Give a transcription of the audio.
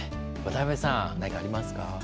渡辺さん何かありますか？